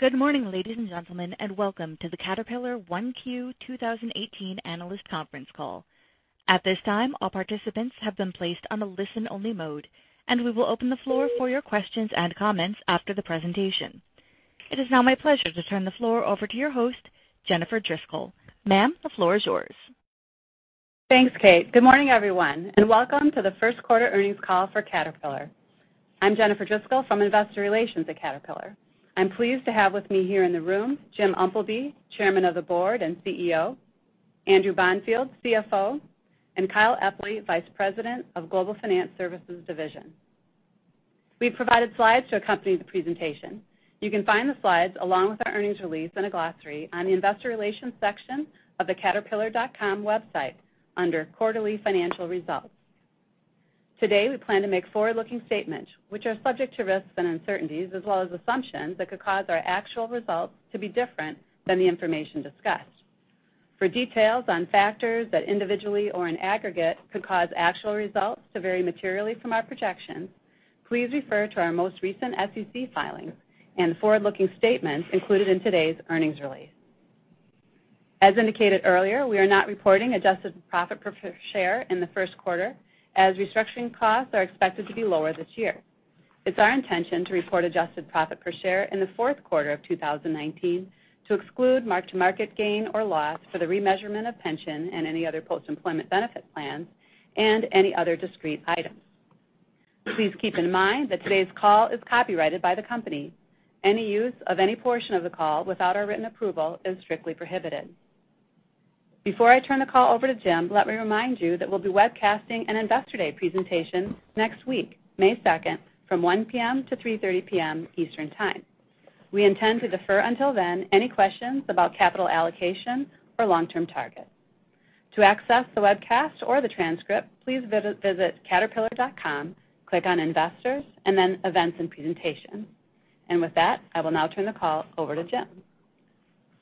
Good morning, ladies and gentlemen, welcome to the Caterpillar 1Q2019 analyst conference call. At this time, all participants have been placed on a listen-only mode, and we will open the floor for your questions and comments after the presentation. It is now my pleasure to turn the floor over to your host, Jennifer Driscoll. Ma'am, the floor is yours. Thanks, Kate. Good morning, everyone, and welcome to the first quarter earnings call for Caterpillar. I'm Jennifer Driscoll from Investor Relations at Caterpillar. I'm pleased to have with me here in the room Jim Umpleby, Chairman of the Board and CEO, Andrew Bonfield, CFO, and Kyle Epley, Vice President of Global Finance Services Division. We've provided slides to accompany the presentation. You can find the slides along with our earnings release and a glossary on the Investor Relations section of the caterpillar.com website under quarterly financial results. Today, we plan to make forward-looking statements, which are subject to risks and uncertainties, as well as assumptions that could cause our actual results to be different than the information discussed. For details on factors that individually or in aggregate could cause actual results to vary materially from our projections, please refer to our most recent SEC filing and the forward-looking statements included in today's earnings release. As indicated earlier, we are not reporting adjusted profit per share in the first quarter, as restructuring costs are expected to be lower this year. It's our intention to report adjusted profit per share in the fourth quarter of 2019 to exclude mark-to-market gain or loss for the remeasurement of pension and any other post-employment benefit plans and any other discrete items. Please keep in mind that today's call is copyrighted by the company. Any use of any portion of the call without our written approval is strictly prohibited. Before I turn the call over to Jim, let me remind you that we'll be webcasting an Investor Day presentation next week, May 2nd, from 1:00 P.M. to 3:30 P.M. Eastern Time. We intend to defer until then any questions about capital allocation or long-term targets. To access the webcast or the transcript, please visit caterpillar.com, click on Investors, then Events and Presentation. With that, I will now turn the call over to Jim.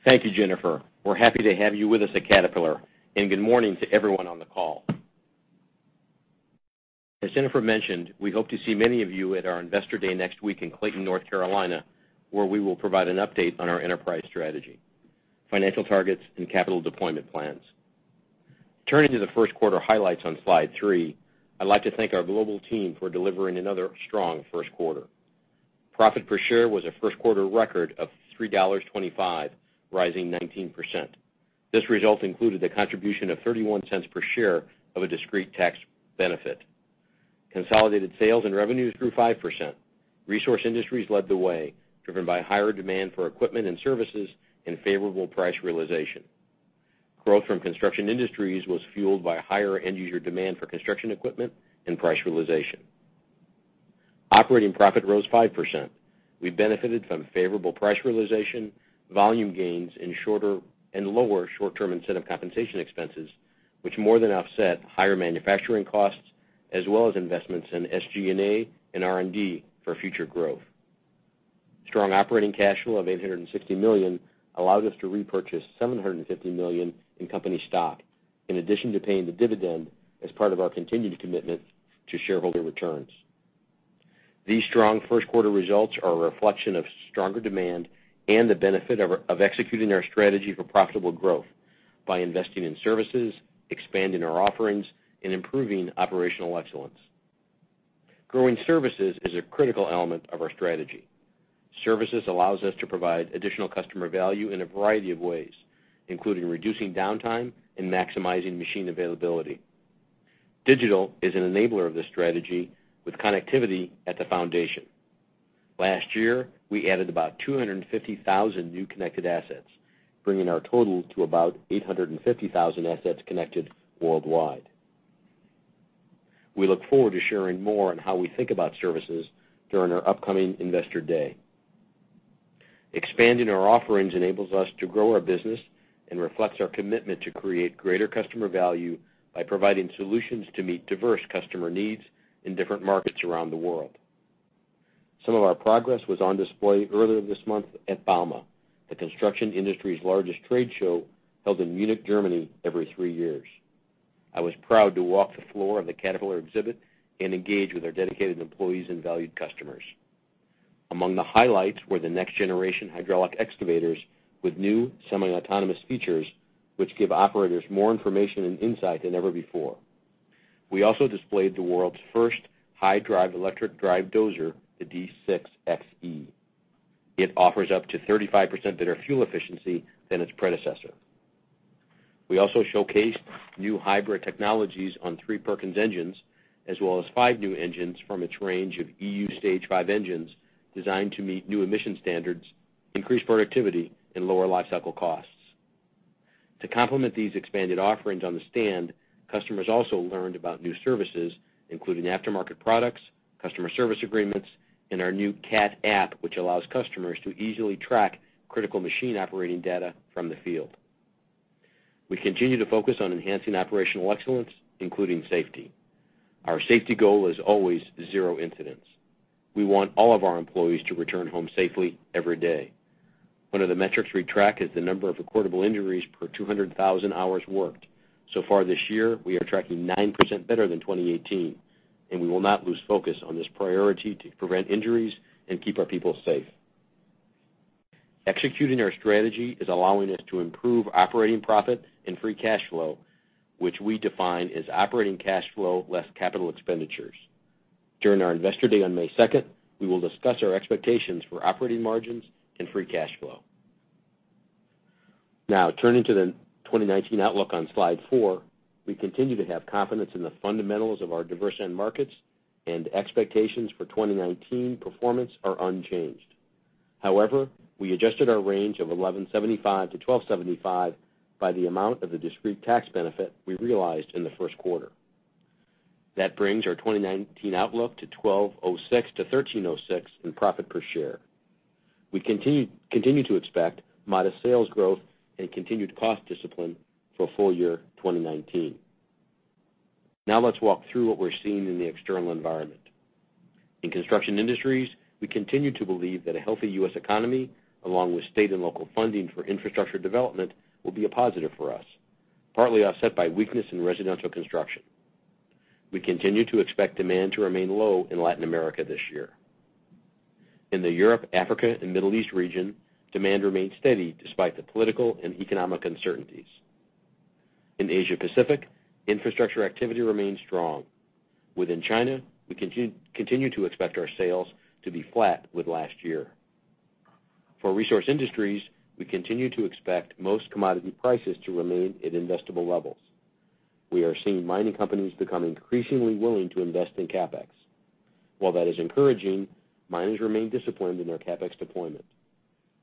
Thank you, Jennifer. We're happy to have you with us at Caterpillar, and good morning to everyone on the call. As Jennifer mentioned, we hope to see many of you at our Investor Day next week in Clayton, North Carolina, where we will provide an update on our enterprise strategy, financial targets, and capital deployment plans. Turning to the first quarter highlights on slide three, I'd like to thank our global team for delivering another strong first quarter. Profit per share was a first quarter record of $3.25, rising 19%. This result included the contribution of $0.31 per share of a discrete tax benefit. Consolidated sales and revenues grew 5%. Resource Industries led the way, driven by higher demand for equipment and services and favorable price realization. Growth from Construction Industries was fueled by higher end user demand for construction equipment and price realization. Operating profit rose 5%. We benefited from favorable price realization, volume gains in shorter and lower short-term incentive compensation expenses, which more than offset higher manufacturing costs as well as investments in SG&A and R&D for future growth. Strong operating cash flow of $860 million allowed us to repurchase $750 million in company stock, in addition to paying the dividend as part of our continued commitment to shareholder returns. These strong first quarter results are a reflection of stronger demand and the benefit of executing our strategy for profitable growth by investing in services, expanding our offerings, and improving operational excellence. Growing services is a critical element of our strategy. Services allows us to provide additional customer value in a variety of ways, including reducing downtime and maximizing machine availability. Digital is an enabler of this strategy with connectivity at the foundation. Last year, we added about 250,000 new connected assets, bringing our total to about 850,000 assets connected worldwide. We look forward to sharing more on how we think about services during our upcoming Investor Day. Expanding our offerings enables us to grow our business and reflects our commitment to create greater customer value by providing solutions to meet diverse customer needs in different markets around the world. Some of our progress was on display earlier this month at bauma, the construction industry's largest trade show held in Munich, Germany every three years. I was proud to walk the floor of the Caterpillar exhibit and engage with our dedicated employees and valued customers. Among the highlights were the next generation hydraulic excavators with new semi-autonomous features, which give operators more information and insight than ever before. We also displayed the world's first high-drive electric drive dozer, the D6 XE. It offers up to 35% better fuel efficiency than its predecessor. We also showcased new hybrid technologies on three Perkins engines, as well as five new engines from its range of EU Stage V engines designed to meet new emission standards, increase productivity, and lower life cycle costs. To complement these expanded offerings on the stand, customers also learned about new services, including aftermarket products, customer service agreements, and our new Cat app, which allows customers to easily track critical machine operating data from the field. We continue to focus on enhancing operational excellence, including safety. Our safety goal is always zero incidents. We want all of our employees to return home safely every day. One of the metrics we track is the number of recordable injuries per 200,000 hours worked. Far this year, we are tracking 9% better than 2018, and we will not lose focus on this priority to prevent injuries and keep our people safe. Executing our strategy is allowing us to improve operating profit and free cash flow, which we define as operating cash flow less capital expenditures. During our investor day on May 2nd, we will discuss our expectations for operating margins and free cash flow. Turning to the 2019 outlook on Slide four, we continue to have confidence in the fundamentals of our diverse end markets and expectations for 2019 performance are unchanged. However, we adjusted our range of $11.75-$12.75 by the amount of the discrete tax benefit we realized in the first quarter. That brings our 2019 outlook to $12.06-$13.06 in profit per share. We continue to expect modest sales growth and continued cost discipline for full year 2019. Let's walk through what we're seeing in the external environment. In Construction Industries, we continue to believe that a healthy U.S. economy, along with state and local funding for infrastructure development, will be a positive for us, partly offset by weakness in residential construction. We continue to expect demand to remain low in Latin America this year. In the Europe, Africa and Middle East region, demand remains steady despite the political and economic uncertainties. In Asia-Pacific, infrastructure activity remains strong. Within China, we continue to expect our sales to be flat with last year. For Resource Industries, we continue to expect most commodity prices to remain at investable levels. We are seeing mining companies become increasingly willing to invest in CapEx. While that is encouraging, miners remain disciplined in their CapEx deployment.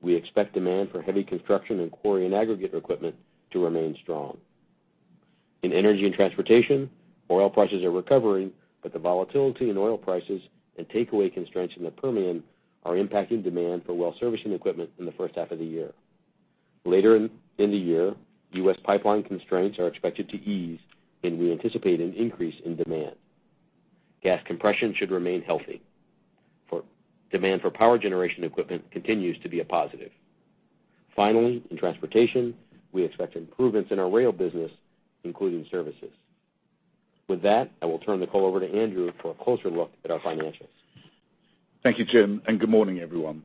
We expect demand for heavy construction and Quarry and Aggregate equipment to remain strong. In Energy & Transportation, oil prices are recovering, but the volatility in oil prices and takeaway constraints in the Permian are impacting demand for well servicing equipment in the first half of the year. Later in the year, U.S. pipeline constraints are expected to ease, and we anticipate an increase in demand. Gas compression should remain healthy. Demand for power generation equipment continues to be a positive. Finally, in transportation, we expect improvements in our rail business, including services. With that, I will turn the call over to Andrew for a closer look at our financials. Thank you, Jim, and good morning, everyone.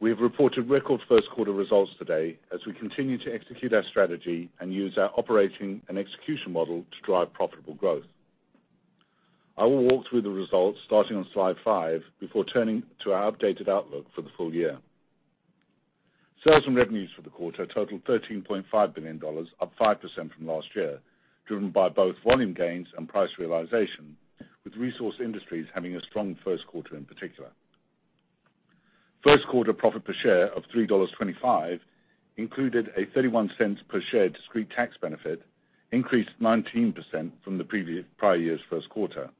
We have reported record first quarter results today as we continue to execute our strategy and use our operating and execution model to drive profitable growth. I will walk through the results starting on Slide five before turning to our updated outlook for the full year. Sales and revenues for the quarter totaled $13.5 billion, up 5% from last year, driven by both volume gains and price realization, with Resource Industries having a strong first quarter in particular. First quarter profit per share of $3.25 included a $0.31 per share discrete tax benefit, increased 19% from the prior year's first quarter.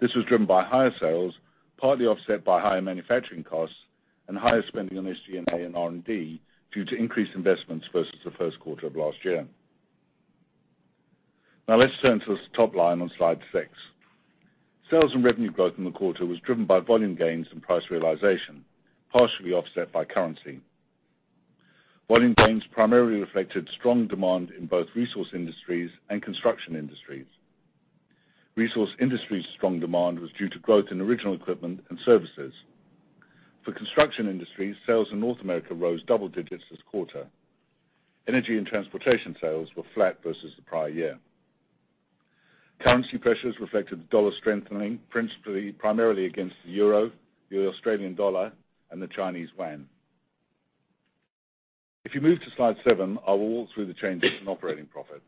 This was driven by higher sales, partly offset by higher manufacturing costs and higher spending on SG&A and R&D due to increased investments versus the first quarter of last year. Let's turn to the top line on Slide six. Sales and revenue growth in the quarter was driven by volume gains and price realization, partially offset by currency. Volume gains primarily reflected strong demand in both Resource Industries and Construction Industries. Resource Industries' strong demand was due to growth in original equipment and services. For Construction Industries, sales in North America rose double digits this quarter. Energy & Transportation sales were flat versus the prior year. Currency pressures reflected the dollar strengthening, primarily against the euro, the Australian dollar, and the Chinese yuan. If you move to slide seven, I will walk through the changes in operating profit.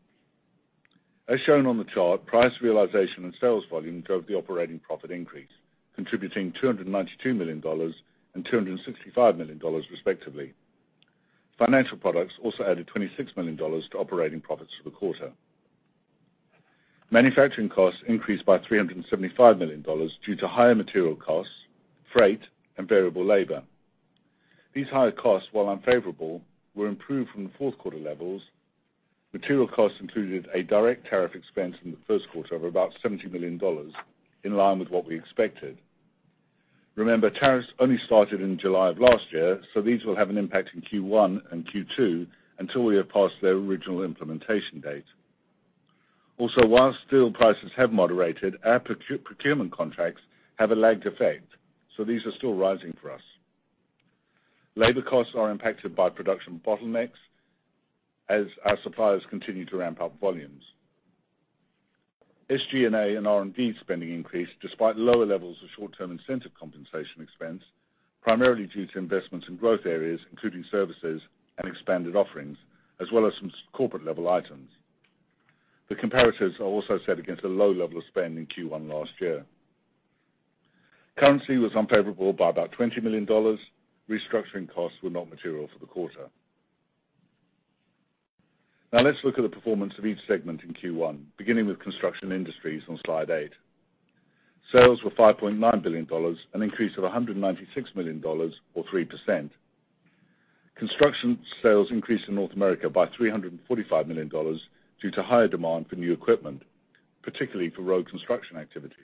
As shown on the chart, price realization and sales volume drove the operating profit increase, contributing $292 million and $265 million respectively. Financial products also added $26 million to operating profits for the quarter. Manufacturing costs increased by $375 million due to higher material costs, freight, and variable labor. These higher costs, while unfavorable, were improved from the fourth quarter levels. Material costs included a direct tariff expense in the first quarter of about $70 million, in line with what we expected. Remember, tariffs only started in July of last year, so these will have an impact in Q1 and Q2 until we are past their original implementation date. Also, while steel prices have moderated, our procurement contracts have a lagged effect, so these are still rising for us. Labor costs are impacted by production bottlenecks as our suppliers continue to ramp up volumes. SG&A and R&D spending increased despite lower levels of short-term incentive compensation expense, primarily due to investments in growth areas, including services and expanded offerings, as well as some corporate-level items. The comparatives are also set against a low level of spend in Q1 last year. Currency was unfavorable by about $20 million. Restructuring costs were not material for the quarter. Now let's look at the performance of each segment in Q1, beginning with Construction Industries on Slide 8. Sales were $5.9 billion, an increase of $196 million or 3%. Construction sales increased in North America by $345 million due to higher demand for new equipment, particularly for road construction activities.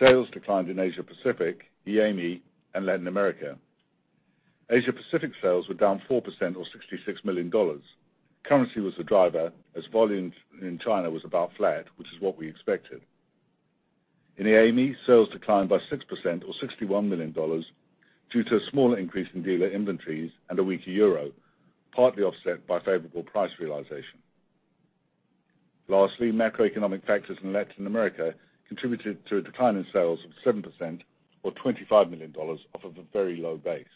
Sales declined in Asia Pacific, EAME, and Latin America. Asia Pacific sales were down 4% or $66 million. Currency was the driver, as volumes in China was about flat, which is what we expected. In EAME, sales declined by 6% or $61 million due to a small increase in dealer inventories and a weaker euro, partly offset by favorable price realization. Lastly, macroeconomic factors in Latin America contributed to a decline in sales of 7% or $25 million off of a very low base.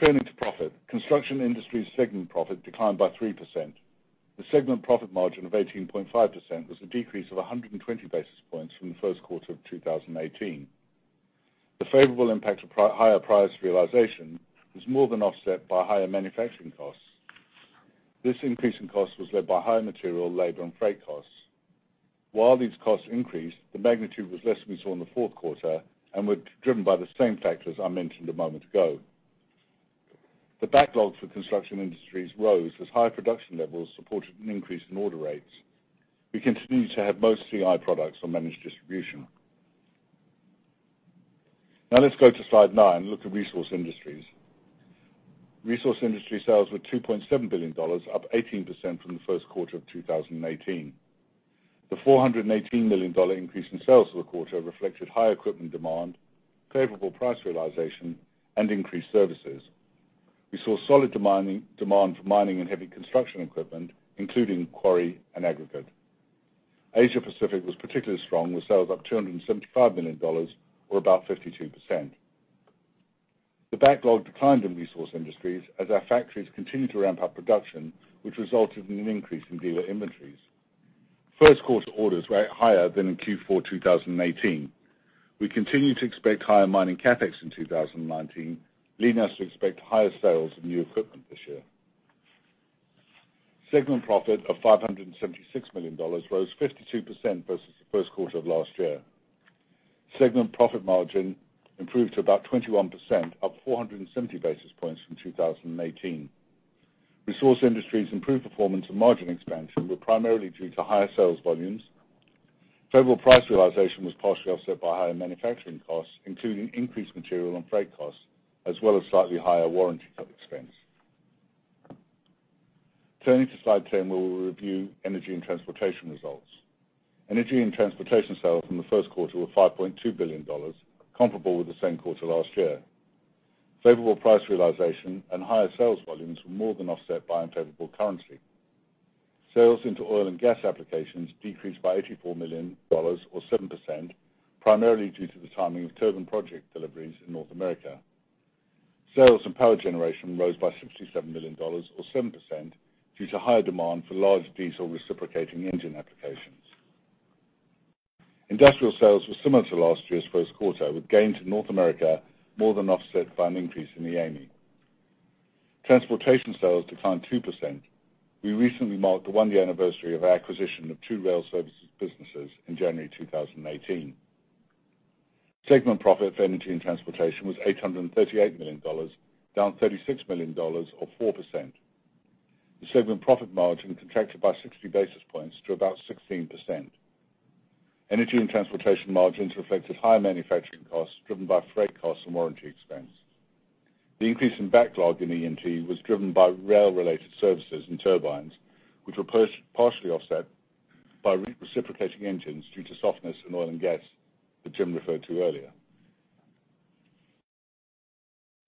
Turning to profit, Construction Industries segment profit declined by 3%. The segment profit margin of 18.5% was a decrease of 120 basis points from the first quarter of 2018. The favorable impact of higher price realization was more than offset by higher manufacturing costs. This increase in cost was led by higher material, labor, and freight costs. While these costs increased, the magnitude was less than we saw in the fourth quarter and were driven by the same factors I mentioned a moment ago. The backlogs for Construction Industries rose as higher production levels supported an increase in order rates. We continue to have most CI products on managed distribution. Now let's go to slide nine and look at Resource Industries. Resource Industries sales were $2.7 billion, up 18% from the first quarter of 2018. The $418 million increase in sales for the quarter reflected higher equipment demand, favorable price realization, and increased services. We saw solid demand for mining and heavy construction equipment, including Quarry and Aggregates. Asia Pacific was particularly strong, with sales up $275 million, or about 52%. The backlog declined in Resource Industries as our factories continued to ramp up production, which resulted in an increase in dealer inventories. First quarter orders were higher than in Q4 2018. We continue to expect higher mining CapEx in 2019, leading us to expect higher sales of new equipment this year. Segment profit of $576 million, rose 52% versus the first quarter of last year. Segment profit margin improved to about 21%, up 470 basis points from 2018. Resource Industries improved performance and margin expansion were primarily due to higher sales volumes. Favorable price realization was partially offset by higher manufacturing costs, including increased material and freight costs, as well as slightly higher warranty expense. Turning to slide 10, where we will review Energy & Transportation results. Energy & Transportation sales from the first quarter were $5.2 billion, comparable with the same quarter last year. Favorable price realization and higher sales volumes were more than offset by unfavorable currency. Sales into oil and gas applications decreased by $84 million or 7%, primarily due to the timing of turbine project deliveries in North America. Sales and power generation rose by $67 million or 7%, due to higher demand for large diesel reciprocating engine applications. Industrial sales were similar to last year's first quarter, with gains in North America more than offset by an increase in EAME. Transportation sales declined 2%. We recently marked the one-year anniversary of our acquisition of two rail services businesses in January 2018. Segment profit for Energy & Transportation was $838 million, down $36 million or 4%. The segment profit margin contracted by 60 basis points to about 16%. Energy & Transportation margins reflected higher manufacturing costs driven by freight costs and warranty expense. The increase in backlog in E&T was driven by rail-related services and turbines, which were partially offset by reciprocating engines due to softness in oil and gas that Jim referred to earlier.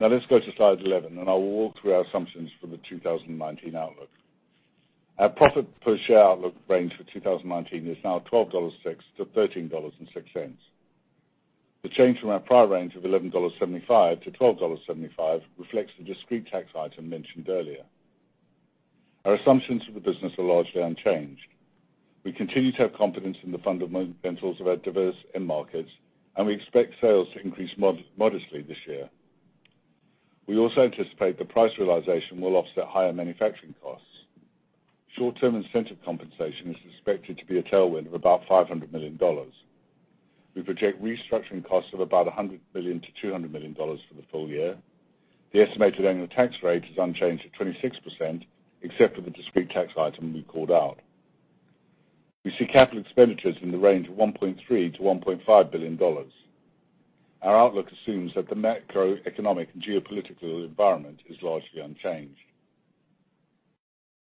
Let's go to slide 11, and I will walk through our assumptions for the 2019 outlook. Our profit per share outlook range for 2019 is now $12.06 to $13.06. The change from our prior range of $11.75 to $12.75 reflects the discrete tax item mentioned earlier. Our assumptions for the business are largely unchanged. We continue to have confidence in the fundamentals of our diverse end markets, we expect sales to increase modestly this year. We also anticipate the price realization will offset higher manufacturing costs. Short-term incentive compensation is expected to be a tailwind of about $500 million. We project restructuring costs of about $100 million to $200 million for the full year. The estimated annual tax rate is unchanged at 26%, except for the discrete tax item we called out. We see capital expenditures in the range of $1.3 billion to $1.5 billion. Our outlook assumes that the macroeconomic and geopolitical environment is largely unchanged.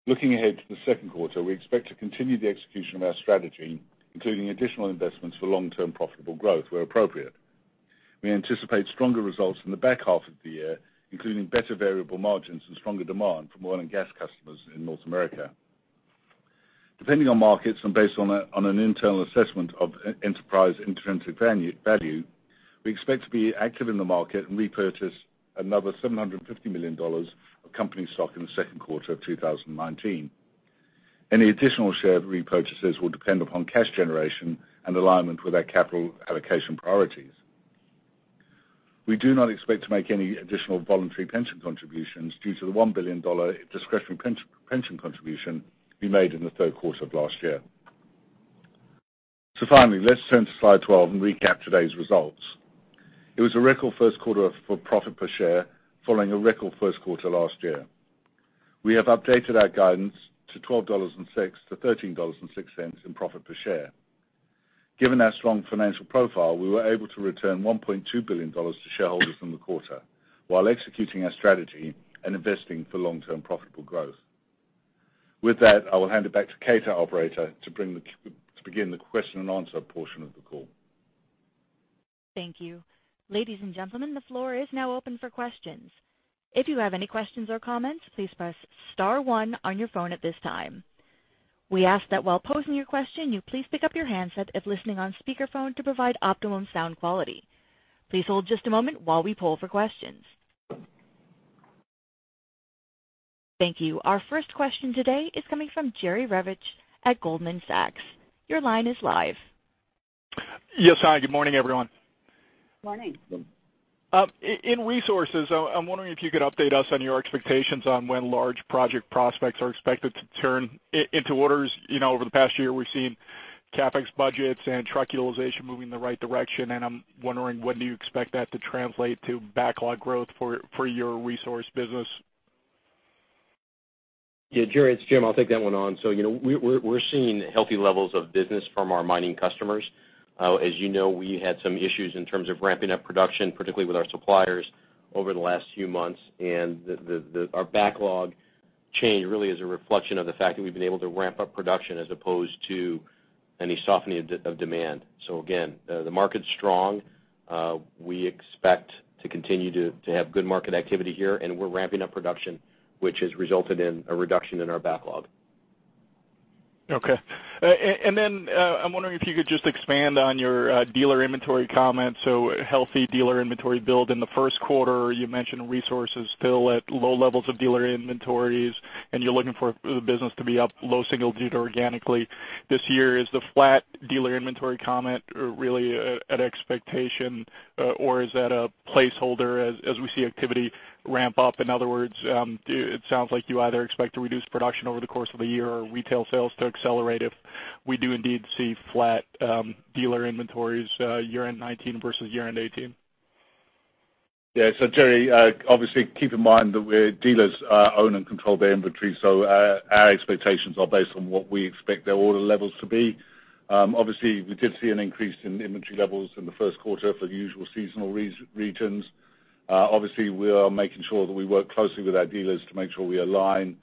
Looking ahead to the second quarter, we expect to continue the execution of our strategy, including additional investments for long-term profitable growth where appropriate. We anticipate stronger results in the back half of the year, including better variable margins and stronger demand from oil and gas customers in North America. Depending on markets and based on an internal assessment of enterprise intrinsic value, we expect to be active in the market and repurchase another $750 million of company stock in the second quarter of 2019. Any additional share repurchases will depend upon cash generation and alignment with our capital allocation priorities. We do not expect to make any additional voluntary pension contributions due to the $1 billion discretionary pension contribution we made in the third quarter of last year. Finally, let's turn to slide 12 and recap today's results. It was a record first quarter for profit per share, following a record first quarter last year. We have updated our guidance to $12.06 to $13.06 in profit per share. Given our strong financial profile, we were able to return $1.2 billion to shareholders in the quarter while executing our strategy and investing for long-term profitable growth. With that, I will hand it back to Kate, our operator, to begin the question and answer portion of the call. Thank you. Ladies and gentlemen, the floor is now open for questions. If you have any questions or comments, please press *1 on your phone at this time. We ask that while posing your question, you please pick up your handset if listening on speakerphone to provide optimum sound quality. Please hold just a moment while we poll for questions. Thank you. Our first question today is coming from Jerry Revich at Goldman Sachs. Your line is live. Yes. Hi, good morning, everyone. Morning. In resources, I'm wondering if you could update us on your expectations on when large project prospects are expected to turn into orders. Over the past year, we've seen CapEx budgets and truck utilization moving in the right direction, and I'm wondering, when do you expect that to translate to backlog growth for your resource business? Jerry, it's Jim. I'll take that one on. We're seeing healthy levels of business from our mining customers. As you know, we had some issues in terms of ramping up production, particularly with our suppliers over the last few months. Our backlog change really is a reflection of the fact that we've been able to ramp up production as opposed to any softening of demand. Again, the market's strong. We expect to continue to have good market activity here, and we're ramping up production, which has resulted in a reduction in our backlog. Okay. I'm wondering if you could just expand on your dealer inventory comments. A healthy dealer inventory build in the first quarter. You mentioned Resources still at low levels of dealer inventories, and you're looking for the business to be up low single digit organically this year. Is the flat dealer inventory comment really at expectation or is that a placeholder as we see activity ramp up? In other words, it sounds like you either expect to reduce production over the course of the year or retail sales to accelerate if we do indeed see flat dealer inventories year-end 2019 versus year-end 2018. Yeah. Jerry, obviously, keep in mind that dealers own and control their inventory. Our expectations are based on what we expect their order levels to be. Obviously, we did see an increase in inventory levels in the first quarter for the usual seasonal regions. Obviously, we are making sure that we work closely with our dealers to make sure we align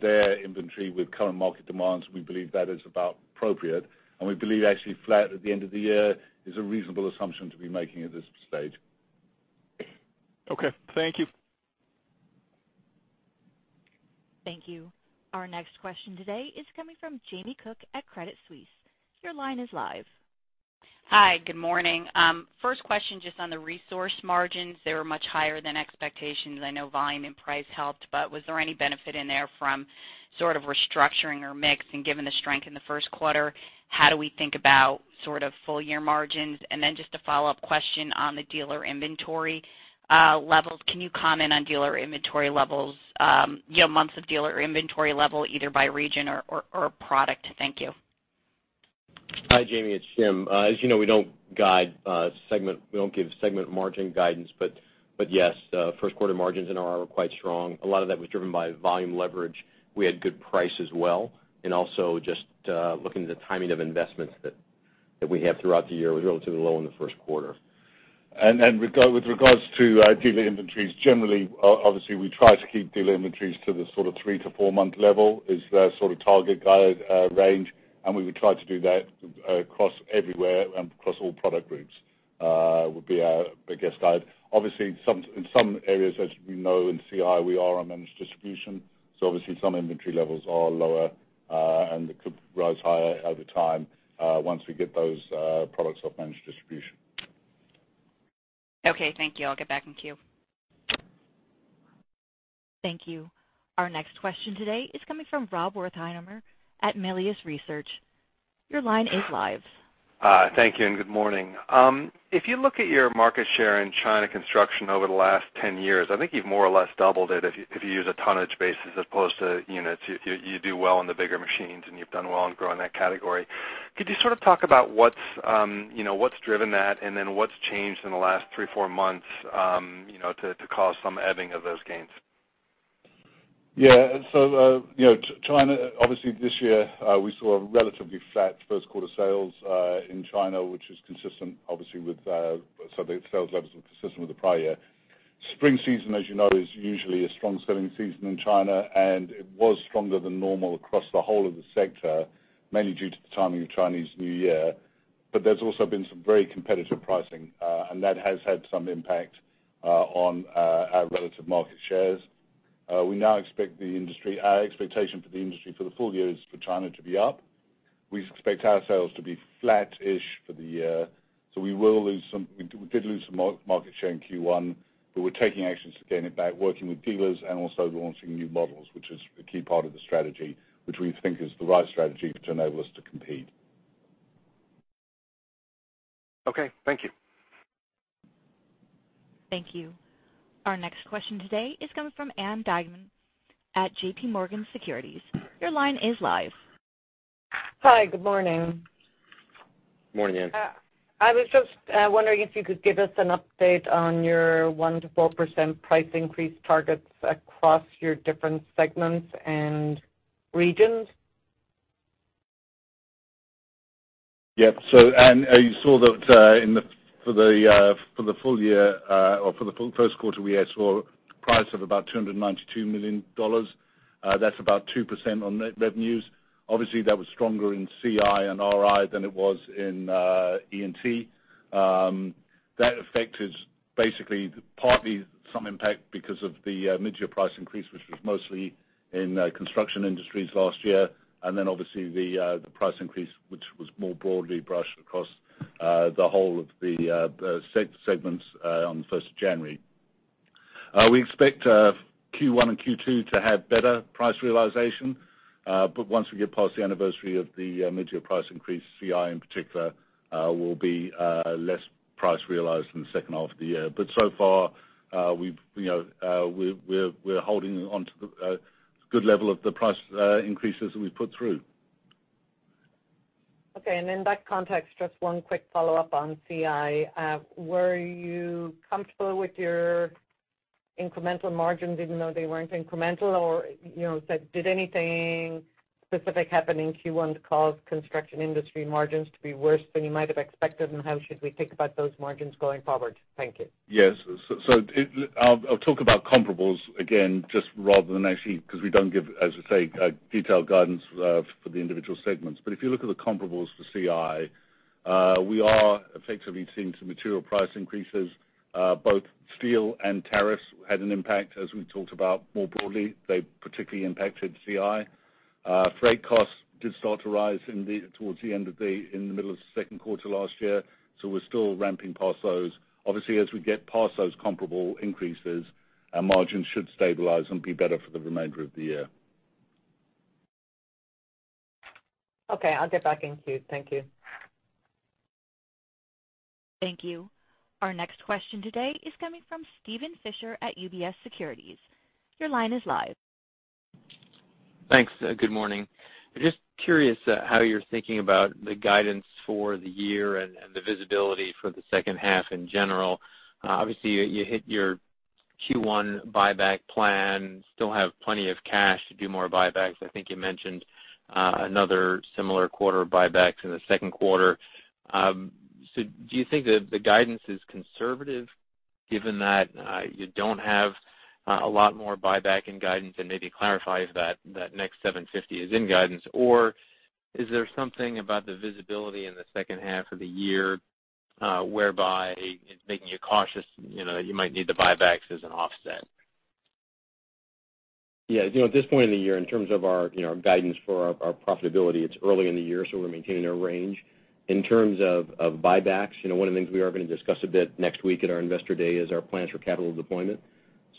their inventory with current market demands. We believe that is about appropriate, and we believe actually flat at the end of the year is a reasonable assumption to be making at this stage. Okay. Thank you. Thank you. Our next question today is coming from Jamie Cook at Credit Suisse. Your line is live. Hi. Good morning. First question just on the resource margins. They were much higher than expectations. I know volume and price helped, but was there any benefit in there from sort of restructuring or mix? Given the strength in the first quarter, how do we think about sort of full year margins? Then just a follow-up question on the dealer inventory levels. Can you comment on dealer inventory levels, months of dealer inventory level, either by region or product? Thank you. Hi, Jamie, it's Jim. As you know, we don't give segment margin guidance. Yes, first quarter margins in RI were quite strong. A lot of that was driven by volume leverage. We had good price as well, and also just looking at the timing of investments that we have throughout the year was relatively low in the first quarter. With regards to our dealer inventories, generally, obviously we try to keep dealer inventories to the three to four-month level, is the sort of target guide range. We would try to do that across everywhere and across all product groups, would be our best guide. Obviously, in some areas, as we know in CI, we are a managed distribution, so obviously some inventory levels are lower, and it could rise higher over time, once we get those products off managed distribution. Okay, thank you. I'll get back in queue. Thank you. Our next question today is coming from Rob Wertheimer at Melius Research. Your line is live. Thank you, and good morning. If you look at your market share in China construction over the last 10 years, I think you've more or less doubled it if you use a tonnage basis as opposed to units. You do well on the bigger machines, and you've done well on growing that category. Could you talk about what's driven that, and then what's changed in the last three, four months to cause some ebbing of those gains? China, obviously this year, we saw a relatively flat first quarter sales in China, which is consistent, obviously, the sales levels were consistent with the prior year. Spring season, as you know, is usually a strong selling season in China, and it was stronger than normal across the whole of the sector, mainly due to the timing of Chinese New Year. There's also been some very competitive pricing, and that has had some impact on our relative market shares. Our expectation for the industry for the full year is for China to be up. We expect our sales to be flat-ish for the year. We did lose some market share in Q1, we're taking actions to gain it back, working with dealers and also launching new models, which is a key part of the strategy, which we think is the right strategy to enable us to compete. Okay. Thank you. Thank you. Our next question today is coming from Ann Duignan at J.P. Morgan Securities. Your line is live. Hi. Good morning. Morning, Ann. I was just wondering if you could give us an update on your 1%-4% price increase targets across your different segments and regions. Ann, you saw that for the full year or for the first quarter, we saw a price of about $292 million. That's about 2% on net revenues. Obviously, that was stronger in CI and RI than it was in E&T. That affected basically, partly some impact because of the mid-year price increase, which was mostly in Construction Industries last year, and then obviously the price increase, which was more broadly brushed across the whole of the segments on the 1st of January. We expect Q1 and Q2 to have better price realization. Once we get past the anniversary of the mid-year price increase, CI in particular will be less price realized in the second half of the year. So far, we're holding onto the good level of the price increases that we've put through. Okay, in that context, just one quick follow-up on CI. Were you comfortable with your incremental margins even though they weren't incremental, or did anything specific happen in Q1 to cause Construction Industries margins to be worse than you might have expected, and how should we think about those margins going forward? Thank you. Yes. I'll talk about comparables again, just rather than actually, because we don't give, as I say, detailed guidance for the individual segments. If you look at the comparables for CI, we are effectively seeing some material price increases. Both steel and tariffs had an impact, as we talked about more broadly. They particularly impacted CI. Freight costs did start to rise towards the end of the middle of the second quarter last year, so we're still ramping past those. Obviously, as we get past those comparable increases, our margins should stabilize and be better for the remainder of the year. Okay, I'll get back in queue. Thank you. Thank you. Our next question today is coming from Steven Fisher at UBS Securities. Your line is live. Thanks. Good morning. Just curious how you're thinking about the guidance for the year and the visibility for the second half in general. Obviously, you hit your Q1 buyback plan, still have plenty of cash to do more buybacks. I think you mentioned another similar quarter of buybacks in the second quarter. Do you think that the guidance is conservative given that you don't have a lot more buyback in guidance and maybe clarify if that next $750 is in guidance? Is there something about the visibility in the second half of the year whereby it's making you cautious, you might need the buybacks as an offset? Yeah. At this point in the year, in terms of our guidance for our profitability, it's early in the year, we're maintaining our range. In terms of buybacks, one of the things we are going to discuss a bit next week at our Investor Day is our plans for capital deployment.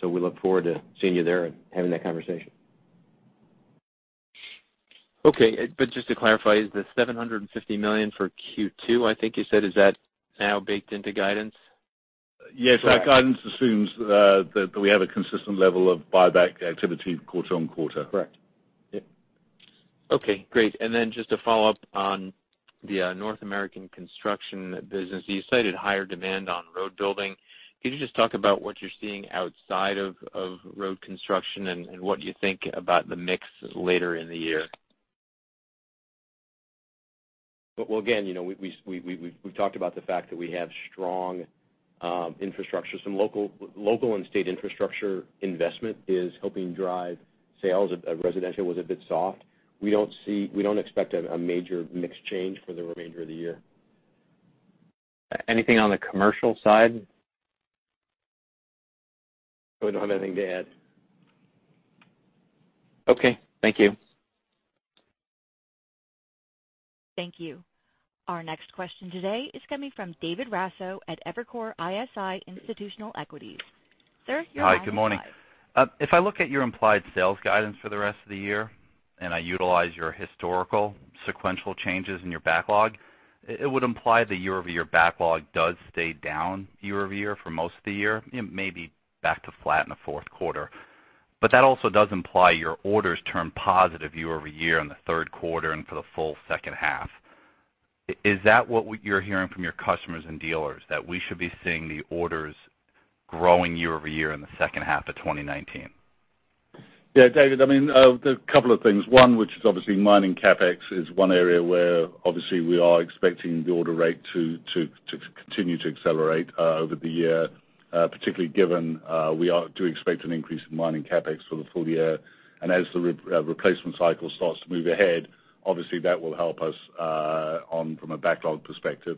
We look forward to seeing you there and having that conversation. Okay, just to clarify, is the $750 million for Q2, I think you said, is that now baked into guidance? Yes. Our guidance assumes that we have a consistent level of buyback activity quarter on quarter. Correct. Yep. Okay, great. Just a follow-up on the North American construction business. You cited higher demand on road building. Could you just talk about what you're seeing outside of road construction and what you think about the mix later in the year? Well, again, we've talked about the fact that we have strong infrastructure. Some local and state infrastructure investment is helping drive sales. Residential was a bit soft. We don't expect a major mix change for the remainder of the year. Anything on the commercial side? I don't have anything to add. Okay. Thank you. Thank you. Our next question today is coming from David Raso at Evercore ISI Institutional Equities. Sir, your line is live. Hi, good morning. If I look at your implied sales guidance for the rest of the year, I utilize your historical sequential changes in your backlog, it would imply the year-over-year backlog does stay down year-over-year for most of the year, maybe back to flat in the fourth quarter. That also does imply your orders turn positive year-over-year in the third quarter and for the full second half. Is that what you're hearing from your customers and dealers, that we should be seeing the orders growing year-over-year in the second half of 2019? Yeah, David, there are a couple of things. One, which is obviously mining CapEx is one area where obviously we are expecting the order rate to continue to accelerate over the year, particularly given we do expect an increase in mining CapEx for the full year. As the replacement cycle starts to move ahead, obviously that will help us from a backlog perspective.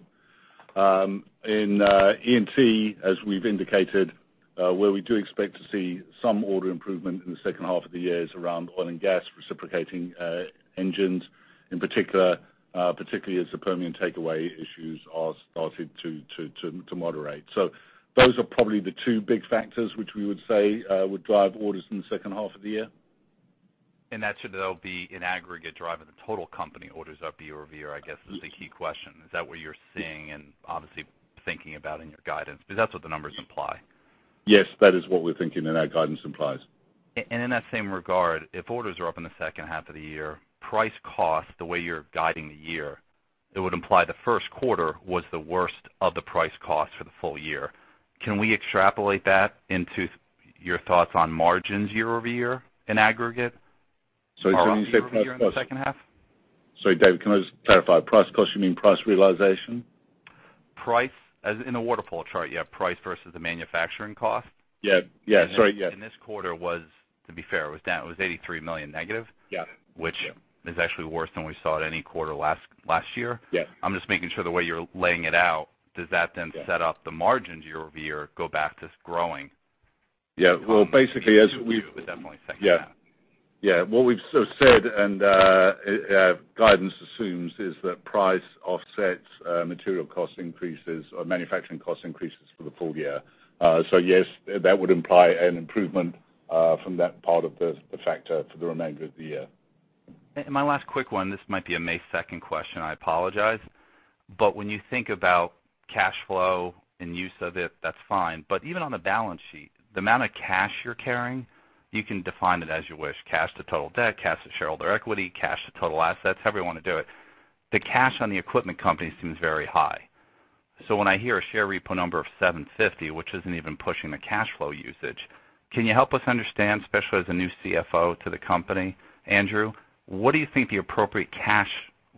In E&T, as we've indicated, where we do expect to see some order improvement in the second half of the year is around oil and gas reciprocating engines, particularly as the Permian takeaway issues are started to moderate. Those are probably the two big factors which we would say would drive orders in the second half of the year. That should all be in aggregate, driving the total company orders up year-over-year. I guess is the key question. Is that what you're seeing and obviously thinking about in your guidance? Because that's what the numbers imply. Yes, that is what we're thinking and our guidance implies. In that same regard, if orders are up in the second half of the year, price cost, the way you're guiding the year, it would imply the first quarter was the worst of the price cost for the full year. Can we extrapolate that into your thoughts on margins year-over-year in aggregate? Sorry, when you say price cost Are you saying year in the second half? Sorry, David, can I just clarify, price cost, you mean price realization? Price, as in the waterfall chart, you have price versus the manufacturing cost. Yeah. Sorry, yeah. This quarter was, to be fair, it was down. It was $83 million negative. Yeah. Which is actually worse than we saw at any quarter last year. Yeah. I'm just making sure the way you're laying it out, does that then set up the margins year-over-year go back to growing? Yeah. Well, basically, I would definitely think that. Yes. What we've sort of said and guidance assumes is that price offsets material cost increases or manufacturing cost increases for the full year. Yes, that would imply an improvement from that part of the factor for the remainder of the year. My last quick one, this might be a May 2nd question, I apologize, when you think about cash flow and use of it, that's fine. Even on the balance sheet, the amount of cash you're carrying, you can define it as you wish, cash to total debt, cash to shareholder equity, cash to total assets, however you want to do it. The cash on the equipment company seems very high. When I hear a share repo number of $750, which isn't even pushing the cash flow usage, can you help us understand, especially as a new CFO to the company, Andrew, what do you think the appropriate cash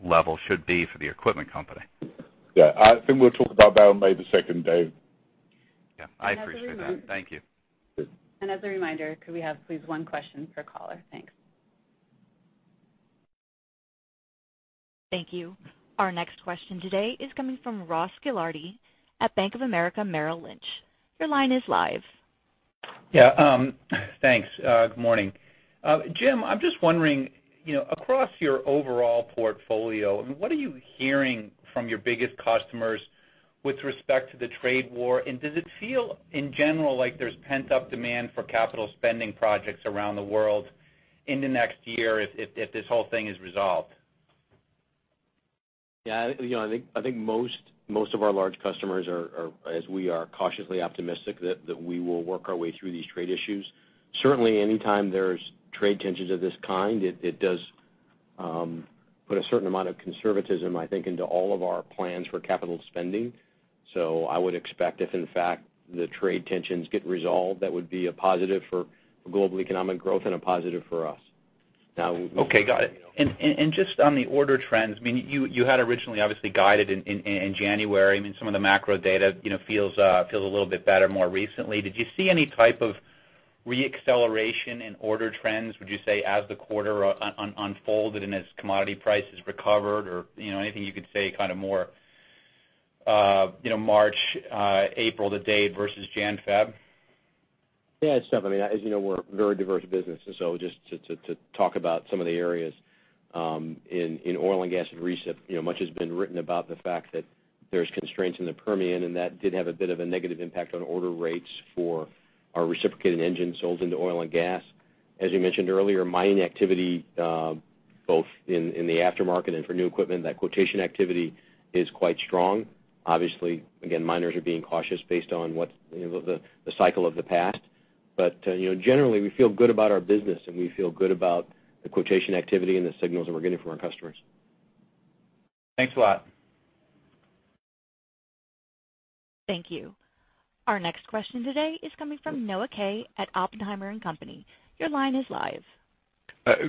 level should be for the equipment company? Yeah. I think we'll talk about that on May the 2nd, Dave. Yeah. I appreciate that. Thank you. As a reminder, could we have please one question per caller? Thanks. Thank you. Our next question today is coming from Ross Gilardi at Bank of America Merrill Lynch. Your line is live. Yeah, thanks. Good morning. Jim, I'm just wondering, across your overall portfolio, what are you hearing from your biggest customers with respect to the trade war? Does it feel in general like there's pent-up demand for capital spending projects around the world in the next year if this whole thing is resolved? Yeah. I think most of our large customers are, as we are, cautiously optimistic that we will work our way through these trade issues. Certainly, anytime there's trade tensions of this kind, it does put a certain amount of conservatism, I think, into all of our plans for capital spending. I would expect if in fact the trade tensions get resolved, that would be a positive for global economic growth and a positive for us. Okay, got it. Just on the order trends, you had originally obviously guided in January. Some of the macro data feels a little bit better more recently. Did you see any type of re-acceleration in order trends, would you say, as the quarter unfolded and as commodity prices recovered? Anything you could say kind of more March, April to date versus Jan, Feb? Yeah. As you know, we're a very diverse business. Just to talk about some of the areas in oil and gas and recip, much has been written about the fact that there's constraints in the Permian, and that did have a bit of a negative impact on order rates for our reciprocating engine sold into oil and gas. As you mentioned earlier, mining activity, both in the aftermarket and for new equipment, that quotation activity is quite strong. Obviously, again, miners are being cautious based on the cycle of the past. Generally, we feel good about our business and we feel good about the quotation activity and the signals that we're getting from our customers. Thanks a lot. Thank you. Our next question today is coming from Noah Kaye at Oppenheimer & Co.. Your line is live.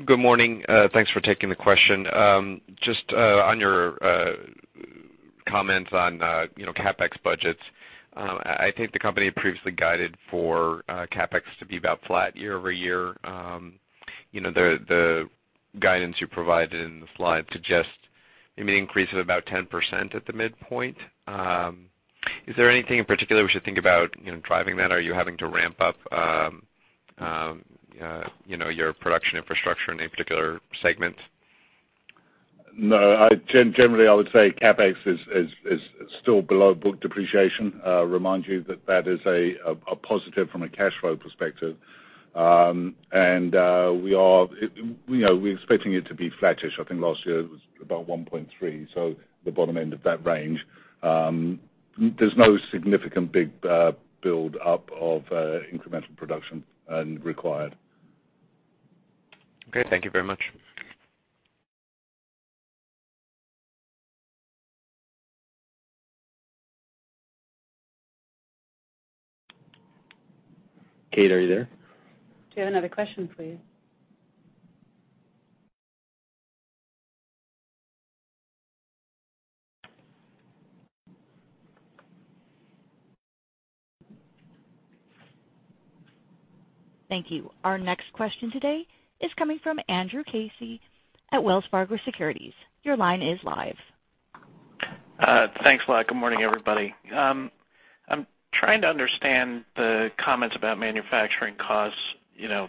Good morning. Thanks for taking the question. Just on your comments on CapEx budgets, I think the company previously guided for CapEx to be about flat year-over-year. The guidance you provided in the slide suggests maybe an increase of about 10% at the midpoint. Is there anything in particular we should think about driving that? Are you having to ramp up your production infrastructure in a particular segment? No. Generally, I would say CapEx is still below book depreciation. Remind you that that is a positive from a cash flow perspective. We're expecting it to be flattish. I think last year it was about $1.3 billion, so the bottom end of that range. There's no significant big build-up of incremental production required. Okay, thank you very much. Kate, are you there? Do you have another question, please? Thank you. Our next question today is coming from Andrew Casey at Wells Fargo Securities. Your line is live. Thanks a lot. Good morning, everybody. I'm trying to understand the comments about manufacturing costs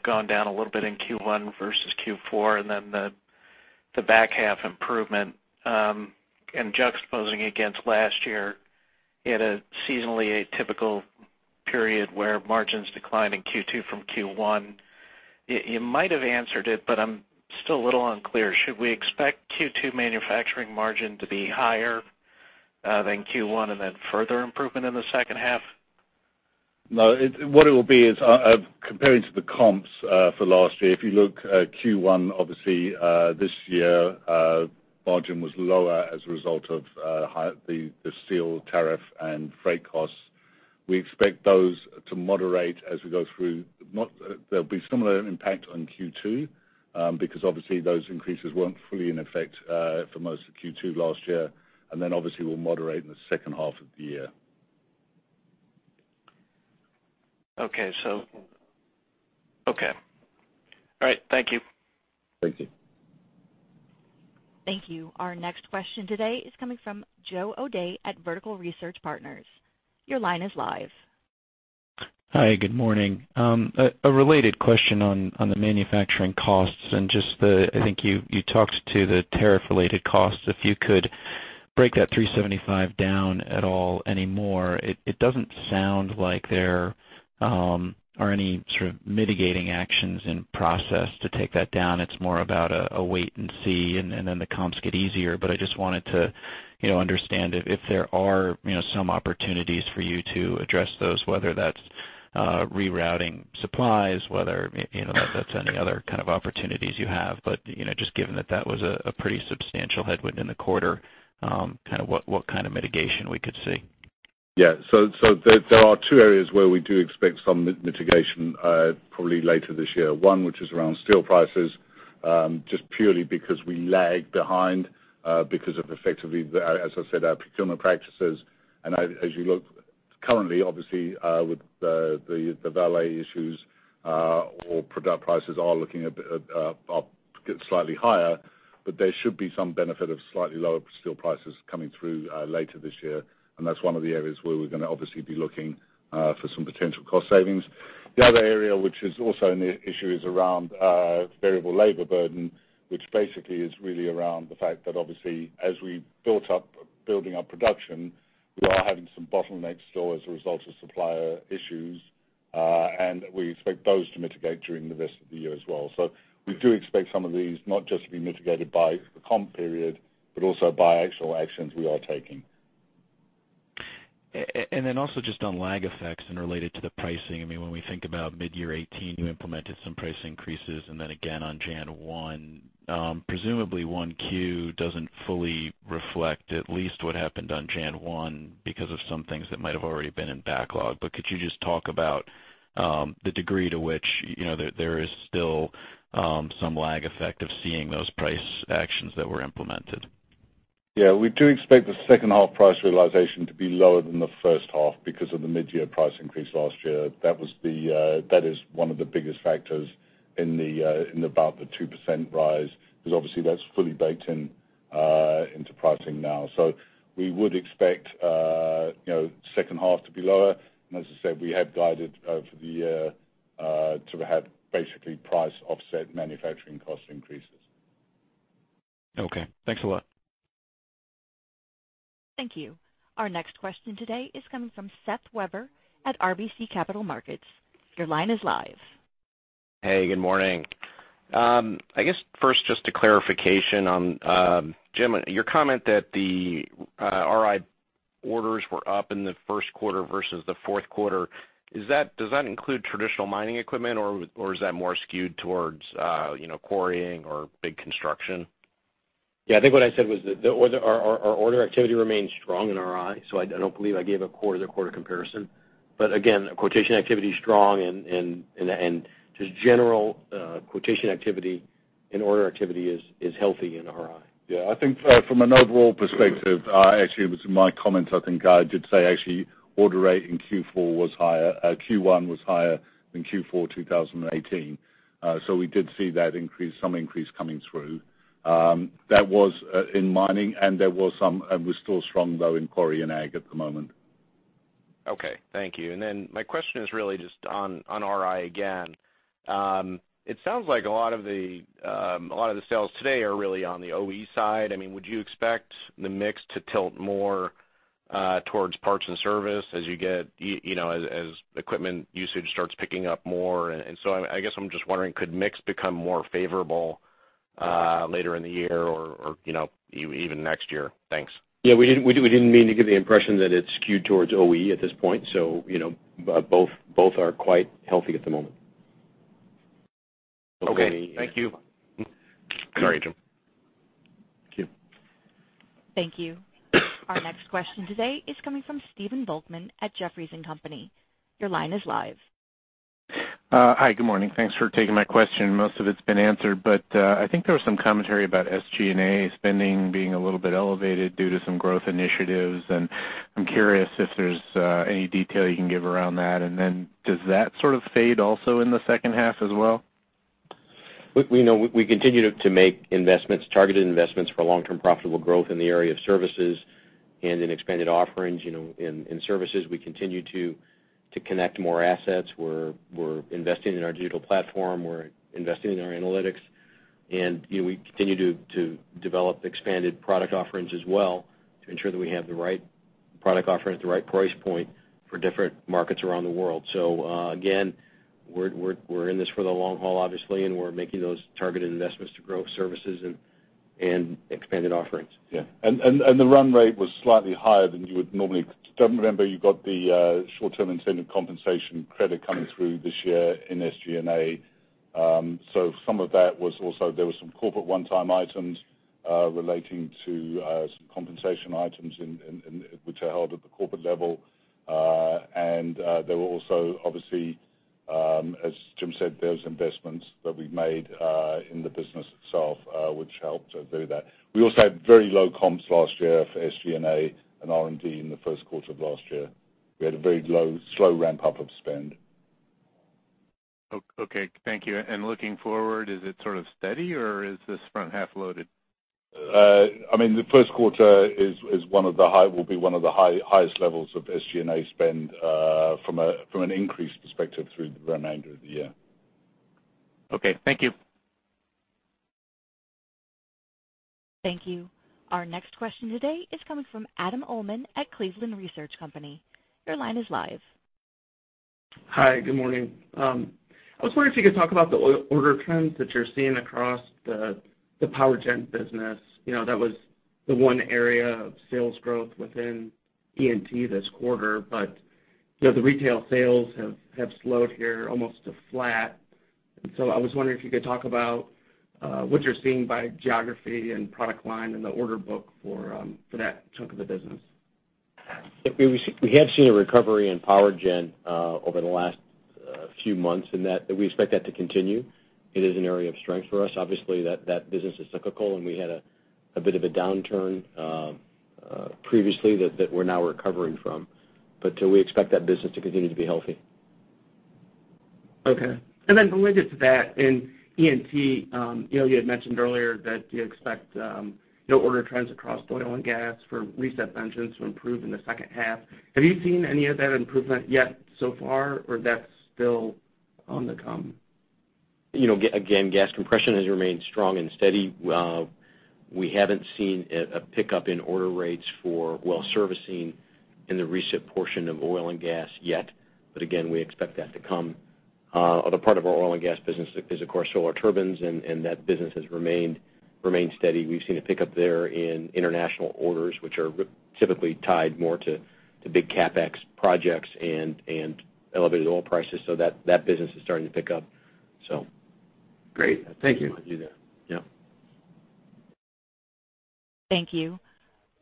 going down a little bit in Q1 versus Q4, and then the back half improvement. Juxtaposing against last year at a seasonally atypical period where margins declined in Q2 from Q1. You might have answered it, but I'm still a little unclear. Should we expect Q2 manufacturing margin to be higher Than Q1 and then further improvement in the second half? No, what it will be is, comparing to the comps for last year, if you look at Q1, obviously, this year, margin was lower as a result of the steel tariff and freight costs. We expect those to moderate as we go through. There'll be similar impact on Q2, because obviously those increases weren't fully in effect for most of Q2 last year, and then obviously will moderate in the second half of the year. Okay. All right. Thank you. Thank you. Thank you. Our next question today is coming from Joseph O'Dea at Vertical Research Partners. Your line is live. Hi, good morning. A related question on the manufacturing costs and just the tariff-related costs, if you could break that $375 down at all anymore. It doesn't sound like there are any sort of mitigating actions in process to take that down. It's more about a wait and see and then the comps get easier. I just wanted to understand if there are some opportunities for you to address those, whether that's rerouting supplies, whether that's any other kind of opportunities you have. Just given that that was a pretty substantial headwind in the quarter, what kind of mitigation we could see. Yeah. There are two areas where we do expect some mitigation, probably later this year. One, which is around steel prices, just purely because we lag behind because of effectively, as I said, our procurement practices. As you look currently, obviously, with the Vale issues or product prices are looking get slightly higher, there should be some benefit of slightly lower steel prices coming through later this year. That's one of the areas where we're going to obviously be looking for some potential cost savings. The other area, which is also an issue, is around variable labor burden, which basically is really around the fact that obviously, as we building up production, we are having some bottlenecks still as a result of supplier issues. We expect those to mitigate during the rest of the year as well. We do expect some of these not just to be mitigated by the comp period, but also by actual actions we are taking. Then also just on lag effects and related to the pricing. When we think about mid-year 2018, you implemented some price increases and then again on Jan 1. Presumably, 1Q doesn't fully reflect at least what happened on Jan 1 because of some things that might have already been in backlog. Could you just talk about the degree to which there is still some lag effect of seeing those price actions that were implemented? Yeah, we do expect the second half price realization to be lower than the first half because of the mid-year price increase last year. That is one of the biggest factors in about the 2% rise, because obviously that's fully baked into pricing now. We would expect second half to be lower. As I said, we had guided for the year to have basically price offset manufacturing cost increases. Okay. Thanks a lot. Thank you. Our next question today is coming from Seth Weber at RBC Capital Markets. Your line is live. Hey, good morning. I guess first, just a clarification on, Jim, your comment that the RI orders were up in the first quarter versus the fourth quarter. Does that include traditional mining equipment or is that more skewed towards quarrying or big construction? I think what I said was that our order activity remains strong in RI, I don't believe I gave a quarter-to-quarter comparison. Again, quotation activity is strong and just general quotation activity and order activity is healthy in RI. I think from an overall perspective, actually it was in my comments, I think I did say actually order rate in Q1 was higher than Q4 2018. We did see that increase, some increase coming through. That was in mining and there was some, and we're still strong though in Quarry and Aggregates at the moment. Okay, thank you. My question is really just on RI again. It sounds like a lot of the sales today are really on the OE side. Would you expect the mix to tilt more towards parts and service as equipment usage starts picking up more? I guess I'm just wondering, could mix become more favorable later in the year or even next year? Thanks. We didn't mean to give the impression that it's skewed towards OE at this point. Both are quite healthy at the moment. Okay. Thank you. Sorry, Jim. Thank you. Thank you. Our next question today is coming from Stephen Volkmann at Jefferies & Company. Your line is live. Hi, good morning. Thanks for taking my question. Most of it's been answered, but I think there was some commentary about SG&A spending being a little bit elevated due to some growth initiatives, and I'm curious if there's any detail you can give around that. Does that sort of fade also in the second half as well? We continue to make targeted investments for long-term profitable growth in the area of services and in expanded offerings. In services, we continue to connect more assets. We're investing in our digital platform, we're investing in our analytics, and we continue to develop expanded product offerings as well to ensure that we have the right product offering at the right price point for different markets around the world. Again, we're in this for the long haul, obviously, and we're making those targeted investments to grow services and expanded offerings. Yeah. The run rate was slightly higher than you would normally. Don't remember you got the short-term incentive compensation credit coming through this year in SG&A. Some of that was also, there were some corporate one-time items relating to some compensation items which are held at the corporate level. There were also, obviously, as Jim said, there's investments that we've made in the business itself, which helped do that. We also had very low comps last year for SG&A and R&D in the first quarter of last year. We had a very low, slow ramp-up of spend. Okay. Thank you. Looking forward, is it sort of steady or is this front half loaded? The first quarter will be one of the highest levels of SG&A spend from an increase perspective through the remainder of the year. Okay. Thank you. Thank you. Our next question today is coming from Adam Ullman at Cleveland Research Company. Your line is live. Hi. Good morning. I was wondering if you could talk about the order trends that you're seeing across the Power Gen business. That was the one area of sales growth within E&T this quarter, but the retail sales have slowed here almost to flat. I was wondering if you could talk about what you're seeing by geography and product line in the order book for that chunk of the business. We have seen a recovery in Power Gen over the last few months, and we expect that to continue. It is an area of strength for us. Obviously, that business is cyclical, and we had a bit of a downturn previously that we're now recovering from. We expect that business to continue to be healthy. Okay. Related to that, in E&T, you had mentioned earlier that you expect your order trends across oil and gas for recip engines to improve in the second half. Have you seen any of that improvement yet so far, or that's still on the come? Again, gas compression has remained strong and steady. We haven't seen a pickup in order rates for well servicing in the recent portion of oil and gas yet. Again, we expect that to come. The part of our oil and gas business is, of course, Solar Turbines, and that business has remained steady. We've seen a pickup there in international orders, which are typically tied more to big CapEx projects and elevated oil prices, so that business is starting to pick up. Great. Thank you might do that. Yep. Thank you.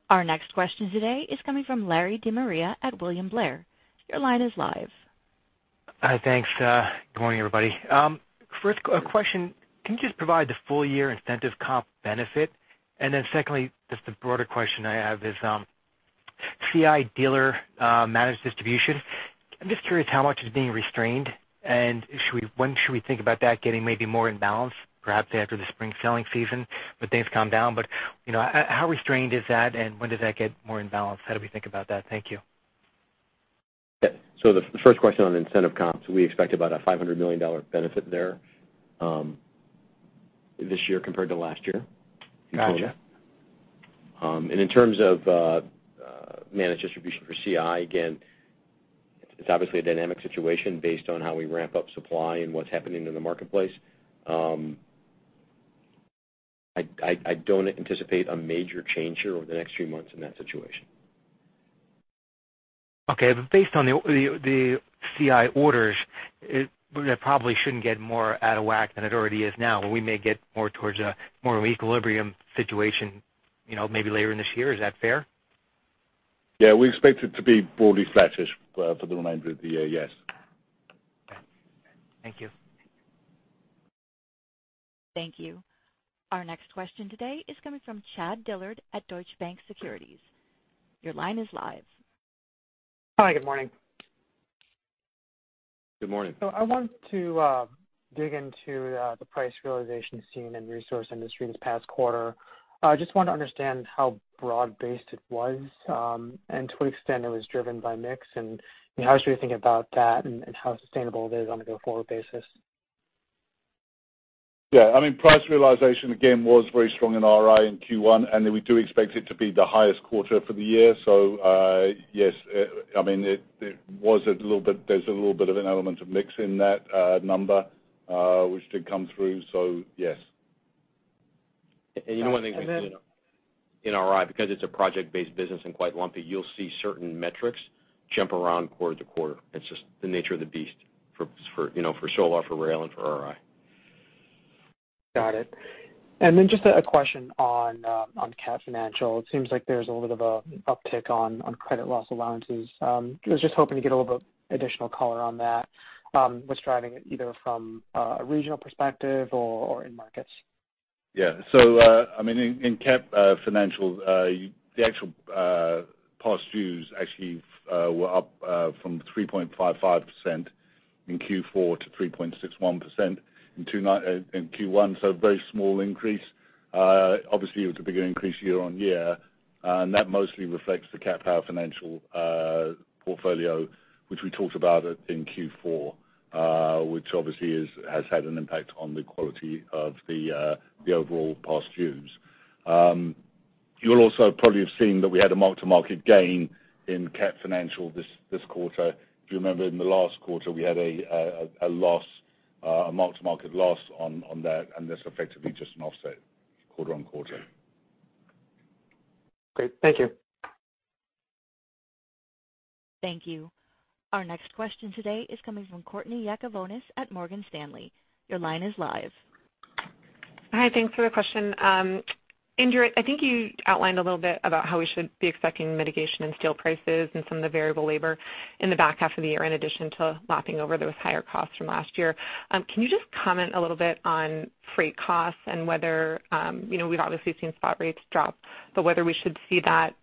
Our next question today is coming from Larry DeMaria at William Blair. Your line is live. Thanks. Good morning, everybody. First question, can you just provide the full year incentive comp benefit? Then secondly, just a broader question I have is CI dealer managed distribution. I'm just curious how much is being restrained and when should we think about that getting maybe more in balance, perhaps after the spring selling season when things calm down. How restrained is that and when does that get more in balance? How do we think about that? Thank you. The first question on incentive comps, we expect about a $500 million benefit there this year compared to last year. Got you. In terms of managed distribution for CI, again, it's obviously a dynamic situation based on how we ramp up supply and what's happening in the marketplace. I don't anticipate a major change here over the next few months in that situation. Okay. Based on the CI orders, it probably shouldn't get more out of whack than it already is now. We may get more towards a more of an equilibrium situation maybe later in this year. Is that fair? Yeah. We expect it to be broadly flattish for the remainder of the year. Yes. Okay. Thank you. Thank you. Our next question today is coming from Chad Dillard at Deutsche Bank Securities. Your line is live. Hi. Good morning. Good morning. I want to dig into the price realization seen in Resource Industries this past quarter. I just want to understand how broad-based it was and to what extent it was driven by mix, and how should we think about that and how sustainable it is on a go-forward basis. Yeah. Price realization, again, was very strong in RI in Q1. We do expect it to be the highest quarter for the year. Yes, there's a little bit of an element of mix in that number, which did come through. Yes. One of the things in RI, because it's a project-based business and quite lumpy, you'll see certain metrics jump around quarter to quarter. It's just the nature of the beast for Solar, for rail, and for RI. Got it. Then just a question on Cat Financial. It seems like there's a little bit of an uptick on credit loss allowances. I was just hoping to get a little bit additional color on that. What's driving it, either from a regional perspective or in markets? In Cat Financial, the actual past dues were up from 3.55% in Q4 to 3.61% in Q1, a very small increase. Obviously, it was a bigger increase year-on-year. That mostly reflects the Cat Power Finance portfolio, which we talked about in Q4, which obviously has had an impact on the quality of the overall past dues. You'll also probably have seen that we had a mark-to-market gain in Cat Financial this quarter. If you remember, in the last quarter, we had a mark-to-market loss on that, and this effectively just an offset quarter-on-quarter. Great. Thank you. Thank you. Our next question today is coming from Courtney Yakavonis at Morgan Stanley. Your line is live. Hi, thanks for the question. Andrew, I think you outlined a little bit about how we should be expecting mitigation in steel prices and some of the variable labor in the back half of the year, in addition to lapping over those higher costs from last year. Can you just comment a little bit on freight costs and whether, we've obviously seen spot rates drop, but whether we should see that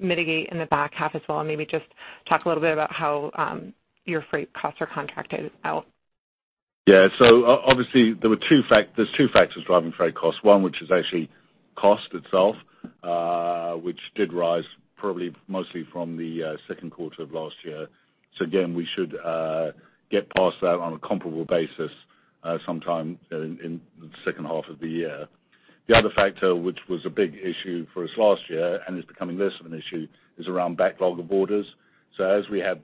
mitigate in the back half as well, and maybe just talk a little bit about how your freight costs are contracted out? Yeah. Obviously, there's two factors driving freight costs. One, which is actually cost itself, which did rise probably mostly from the second quarter of last year. Again, we should get past that on a comparable basis sometime in the second half of the year. The other factor, which was a big issue for us last year and is becoming less of an issue, is around backlog of orders. As we have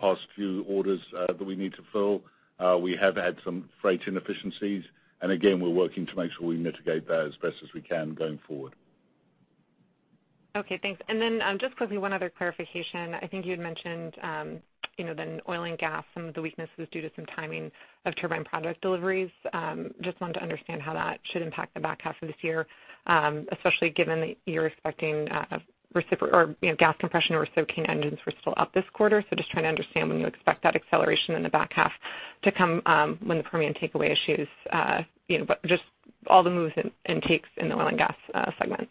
past few orders that we need to fill, we have had some freight inefficiencies. Again, we're working to make sure we mitigate that as best as we can going forward. Okay, thanks. Just quickly, one other clarification. I think you had mentioned, the oil and gas, some of the weakness was due to some timing of turbine project deliveries. Just wanted to understand how that should impact the back half of this year, especially given that you're expecting gas compression or reciprocating engines were still up this quarter. Just trying to understand when you expect that acceleration in the back half to come when the Permian takeaway issues, but just all the moves and takes in the oil and gas segment.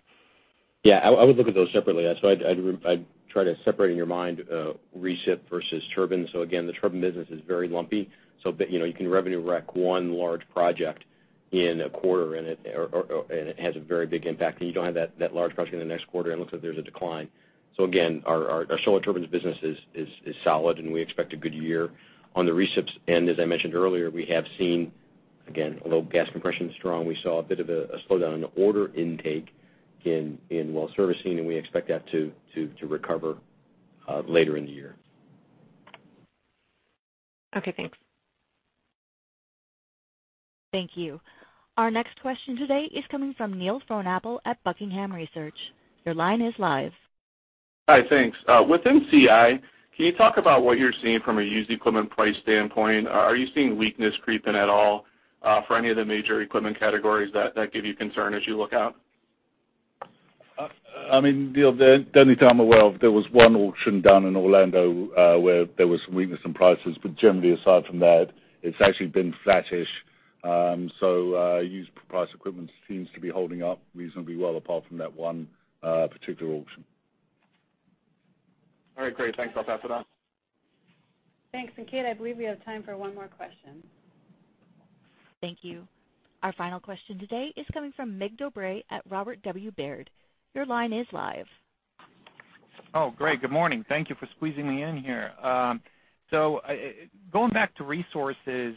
Yeah, I would look at those separately. I'd try to separate in your mind recip versus turbines. Again, the turbine business is very lumpy, so you can revenue rec one large project in a quarter, and it has a very big impact, and you don't have that large project in the next quarter, and it looks like there's a decline. Again, our Solar Turbines business is solid, and we expect a good year. On the recips end, as I mentioned earlier, we have seen, again, although gas compression is strong, we saw a bit of a slowdown in the order intake in well servicing, and we expect that to recover later in the year. Okay, thanks. Thank you. Our next question today is coming from Neil Frohnapple at Buckingham Research. Your line is live. Hi, thanks. Within CI, can you talk about what you're seeing from a used equipment price standpoint? Are you seeing weakness creep in at all for any of the major equipment categories that give you concern as you look out? I mean, Neil, the only time, well, there was one auction done in Orlando where there was some weakness in prices. Generally, aside from that, it's actually been flattish. Used price equipment seems to be holding up reasonably well apart from that one particular auction. All right, great. Thanks. I'll pass it on. Thanks. Kate, I believe we have time for one more question. Thank you. Our final question today is coming from Mircea Dobre at Robert W. Baird. Your line is live. Great. Good morning. Thank you for squeezing me in here. Going back to Resources,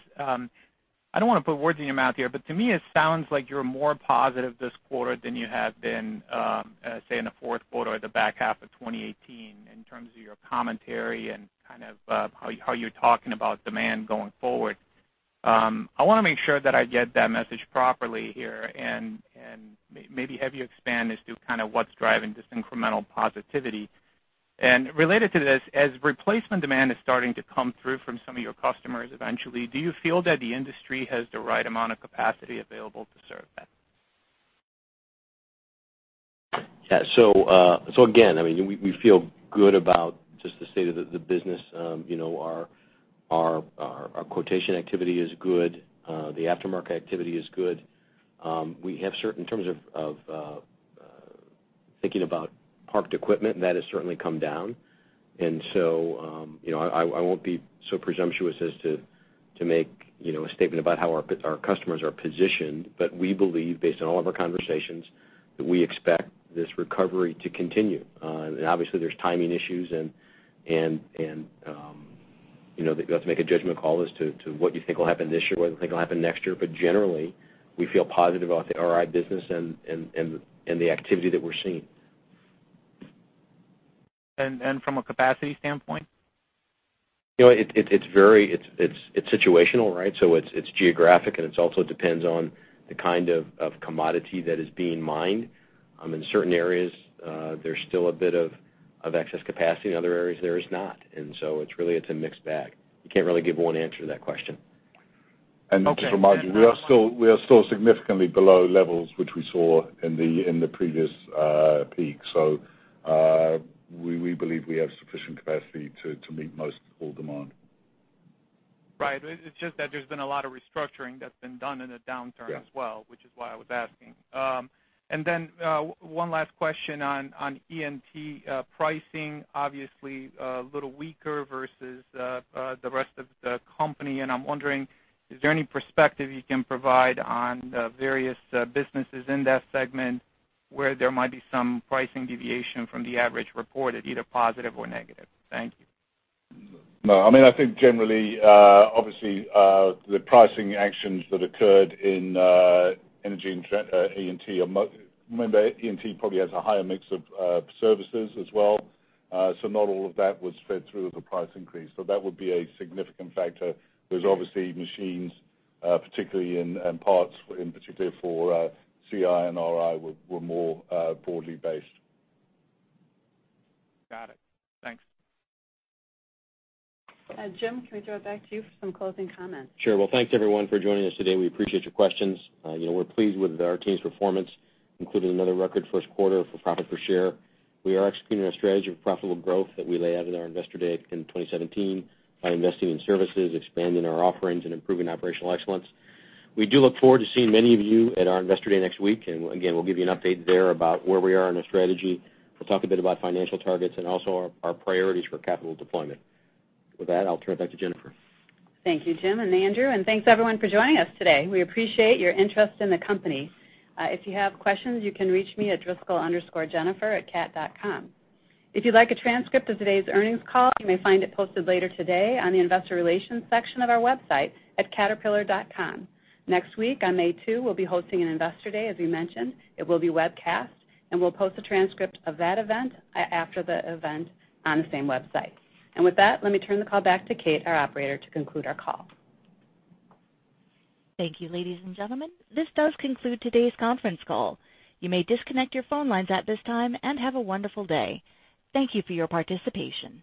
I don't want to put words in your mouth here, but to me it sounds like you're more positive this quarter than you have been, say, in the fourth quarter or the back half of 2018 in terms of your commentary and kind of how you're talking about demand going forward. I want to make sure that I get that message properly here and maybe have you expand as to kind of what's driving this incremental positivity. Related to this, as replacement demand is starting to come through from some of your customers eventually, do you feel that the industry has the right amount of capacity available to serve that? Again, we feel good about just the state of the business. Our quotation activity is good. The aftermarket activity is good. In terms of thinking about parked equipment, that has certainly come down. I won't be so presumptuous as to make a statement about how our customers are positioned, but we believe, based on all of our conversations, that we expect this recovery to continue. Obviously, there's timing issues and you have to make a judgment call as to what you think will happen this year, what you think will happen next year. Generally, we feel positive about the RI business and the activity that we're seeing. From a capacity standpoint? It's situational, right? It's geographic, and it also depends on the kind of commodity that is being mined. In certain areas, there's still a bit of excess capacity. In other areas, there is not. It's really a mixed bag. You can't really give one answer to that question. Okay. Just remind you, we are still significantly below levels which we saw in the previous peak. We believe we have sufficient capacity to meet most all demand. Right. It's just that there's been a lot of restructuring that's been done in a downturn as well. Yeah which is why I was asking. One last question on E&T pricing. Obviously, a little weaker versus the rest of the company, and I'm wondering, is there any perspective you can provide on the various businesses in that segment where there might be some pricing deviation from the average reported, either positive or negative? Thank you. No. I mean, I think generally, obviously, the pricing actions that occurred in E&T, remember E&T probably has a higher mix of services as well. Not all of that was fed through as a price increase. That would be a significant factor. Whereas obviously machines, particularly in parts, in particular for CI and RI, were more broadly based. Got it. Thanks. Jim, can we throw it back to you for some closing comments? Sure. Well, thanks everyone for joining us today. We appreciate your questions. We're pleased with our team's performance, including another record first quarter for profit per share. We are executing our strategy of profitable growth that we laid out in our Investor Day in 2017 by investing in services, expanding our offerings, and improving operational excellence. We do look forward to seeing many of you at our Investor Day next week, again, we'll give you an update there about where we are in our strategy. We'll talk a bit about financial targets and also our priorities for capital deployment. With that, I'll turn it back to Jennifer. Thank you, Jim and Andrew, thanks everyone for joining us today. We appreciate your interest in the company. If you have questions, you can reach me at driscoll_jennifer@cat.com. If you'd like a transcript of today's earnings call, you may find it posted later today on the investor relations section of our website at caterpillar.com. Next week, on May 2, we'll be hosting an Investor Day, as we mentioned. It will be webcast, we'll post a transcript of that event after the event on the same website. With that, let me turn the call back to Kate, our operator, to conclude our call. Thank you, ladies and gentlemen. This does conclude today's conference call. You may disconnect your phone lines at this time and have a wonderful day. Thank you for your participation.